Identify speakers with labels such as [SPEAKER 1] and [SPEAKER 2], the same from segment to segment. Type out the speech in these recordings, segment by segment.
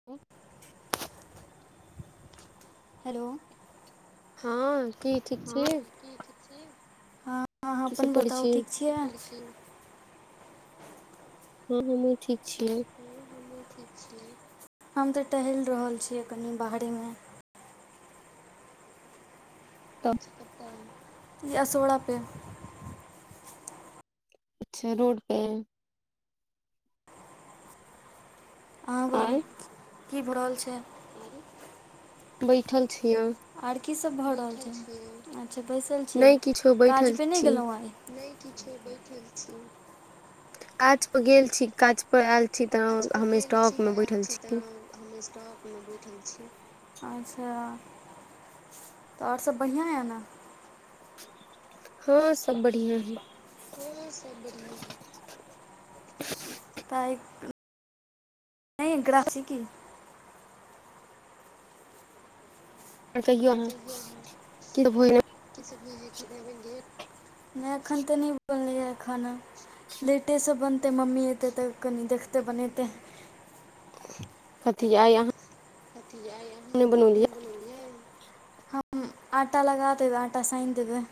[SPEAKER 1] [inaudible]
[SPEAKER 2] Hello.
[SPEAKER 1] हँ की ठीक छीये।
[SPEAKER 2] हँ अहाँ
[SPEAKER 1] सब
[SPEAKER 2] अपन
[SPEAKER 1] करै
[SPEAKER 2] बताउ
[SPEAKER 1] छी
[SPEAKER 2] ठीक छियै।
[SPEAKER 1] हँ हमहहुँ ठीक छियै।
[SPEAKER 2] हम तऽ टहइल रहल छियै कनि बाहरेमे।
[SPEAKER 1] तऽ
[SPEAKER 2] ई असोरा पे
[SPEAKER 1] अच्छा रोड पे।
[SPEAKER 2] अहाँके
[SPEAKER 1] आय
[SPEAKER 2] की भ रहल छैय।
[SPEAKER 1] बैठल छियै।
[SPEAKER 2] आर कीसभ भऽ रहल छैय। अच्छा बैसल छियै
[SPEAKER 1] नहि किछो बैठल
[SPEAKER 2] काजपे नहि
[SPEAKER 1] छी
[SPEAKER 2] गेलहुँ आइ। नहि किछो बैठल छी।
[SPEAKER 1] काज प गेल छी, काज पर आयल छी, तऽ हम स्टॉक मे बैठल छी।
[SPEAKER 2] [unintelligible] अच्छा तऽ और सब बढ़िआँ यऽ ने।
[SPEAKER 1] हँ सब बढ़िआ है।
[SPEAKER 2] हाँ सब बढिया है त नै ग्राफ स की
[SPEAKER 1] [unintelligible]
[SPEAKER 2] कि सब [unintelligible]
[SPEAKER 1] [inaudible]
[SPEAKER 2] नहि एखन तऽ नहि बनलै ह खाना। लेटेसँ बनतै मम्मी एतै तऽ कनि देखतै बनेतै।
[SPEAKER 1] कथि आइ अहाँ
[SPEAKER 2] कथि आइ अहाँ
[SPEAKER 1] नै बनौलए।
[SPEAKER 2] हम आटा लगा देबै, आटा साइन देबै।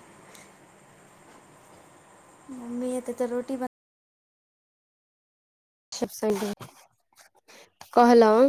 [SPEAKER 2] मम्मी ए तऽ रोटी बन
[SPEAKER 1] कहलहु।